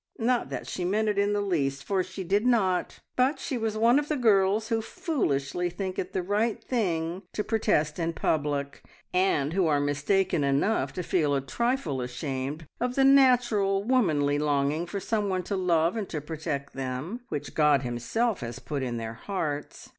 Not that she meant it in the least, for she did not, but she was one of the girls who foolishly think it the right thing to protest in public, and who are mistaken enough to feel a trifle ashamed of the natural womanly longing for someone to love and to protect them, which God Himself has put in their hearts.